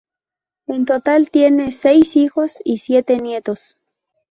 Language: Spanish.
En total tiene seis hijos y siete nietos.